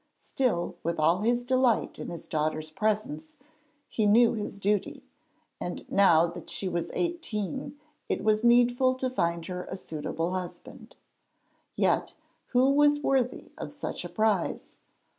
Still, with all his delight in his daughter's presence, he knew his duty, and that now she was eighteen it was needful to find her a suitable husband. Yet, who was worthy of such a prize?